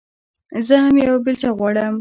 زه هم يوه بېلچه غواړم.